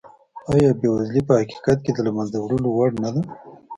ایا بېوزلي په حقیقت کې د له منځه وړلو وړ نه ده؟